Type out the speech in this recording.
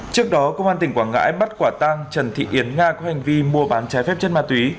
trước đó công an tỉnh quảng ngãi bắt quả tang trần thị yến nga có hành vi mua bán trái phép chất ma túy